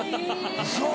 ウソ。